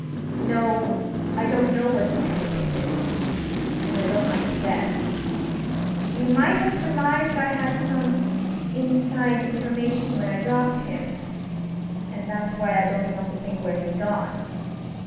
No, I don't know what's become of Pickman, and I don't like to guess. You might have surmised I had some inside information when I dropped himŌĆöand that's why I don't want to think where he's gone.